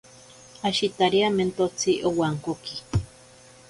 Ashitariamentotsi owankoki.